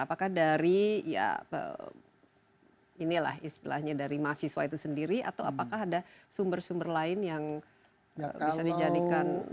apakah dari ya inilah istilahnya dari mahasiswa itu sendiri atau apakah ada sumber sumber lain yang bisa dijadikan